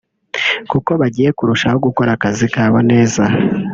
kuko bagiye kurushaho gukora akazi kabo neza